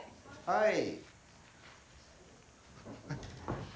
はい。